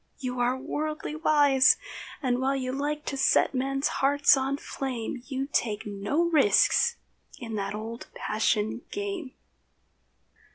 You are worldly wise, And while you like to set men's hearts on flame, You take no risks in that old passion game.